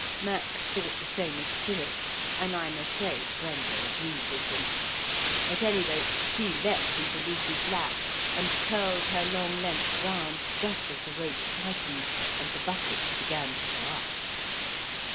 Max thought the same as Philip, and I am afraid Brenda agreed with them. At any rate she leaped into Lucy's lap and curled her long length round just as the rope tightened and the bucket began to go up.